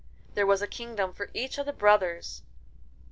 There was a kingdom for each of the brothers.